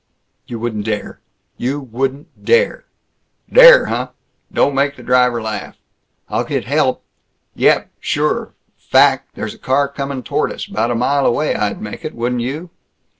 "You wouldn't dare! You wouldn't dare!" "Dare? Huh! Don't make the driver laugh!" "I'll get help!" "Yep. Sure. Fact, there's a car comin' toward us. 'Bout a mile away I'd make it, wouldn't you?